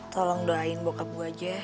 tolong doain bokap gue aja